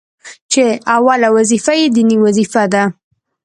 چي اوله وظيفه يې ديني وظيفه ده،